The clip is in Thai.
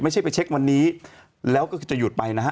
ไม่ใช่ไปเช็ควันนี้แล้วก็คือจะหยุดไปนะฮะ